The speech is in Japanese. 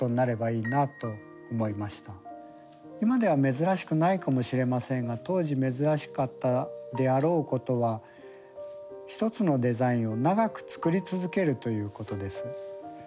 今では珍しくないかもしれませんが当時珍しかったであろうことは一つのデザインを長く作り続けるということです。